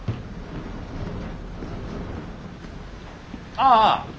ああ。